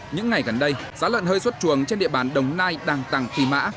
những ngày gần đây giá lợn hơi xuất chuồng trên địa bàn đồng nai đang tăng phi mã